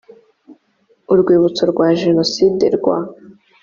urwibutso rwa jenoside rwa